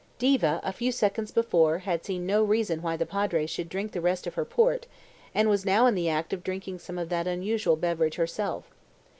Diva, a few seconds before, had seen no reason why the Padre should drink the rest of her port, and was now in the act of drinking some of that unusual beverage herself.